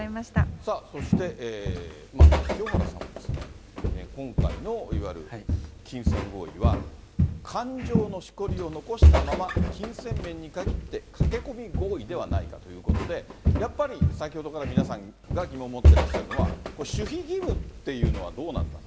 さあ、そして、清原さんは、今回のいわゆる金銭合意は感情のしこりを残したまま、金銭面に限って駆け込み合意ではないかということで、やっぱり先ほどから皆さんが疑問を持ってらっしゃるのは、守秘義務っていうのはどうなんだと。